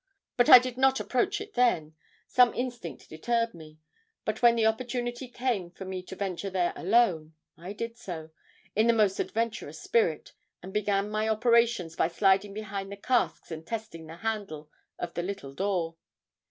But I did not approach it then; some instinct deterred me. But when the opportunity came for me to venture there alone, I did so, in the most adventurous spirit, and began my operations by sliding behind the casks and testing the handle of the little door.